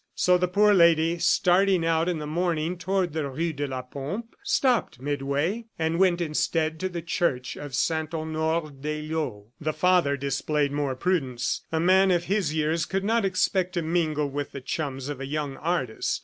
... So the poor lady, starting out in the morning toward the rue de la Pompe, stopped midway and went instead to the church of Saint Honore d'Eylau. The father displayed more prudence. A man of his years could not expect to mingle with the chums of a young artist.